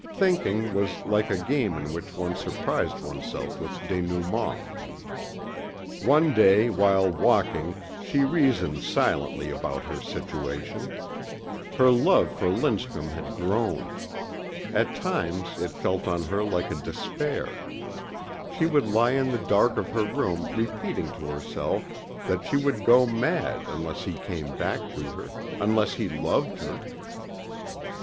Thinking was like a game in which one surprised oneself with denouements. One day while walking she reasoned silently about her situation. Her love for Lindstrum had grown. At times it fell on her like a despair. She would lie in the dark of her room repeating to herself that she would go mad unless he came back to her, unless he loved her.